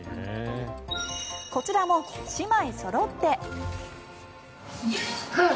こちらも姉妹そろって。